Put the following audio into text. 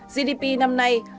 gdp năm nay